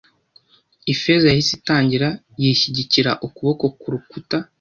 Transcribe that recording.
Ifeza yahise itangira, yishyigikira ukuboko kurukuta: